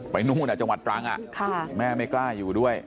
ไปนู้นอ่ะจังหวัดตรังอ่ะแม่ไม่กล้าอยู่ด้วย